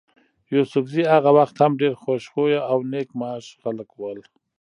يوسفزي هغه وخت هم ډېر خوش خویه او نېک معاش خلک ول.